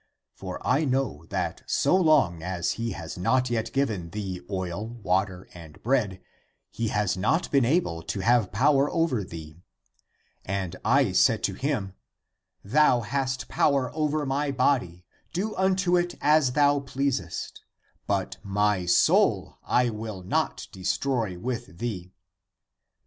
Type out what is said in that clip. For I know that so long as he has not yet given thee oil, water and bread, he has not been able to have power over thee. And I said to him, Thou hast power over my body; do unto it as thou pleasest ; but my soul I will not de stroy with thee.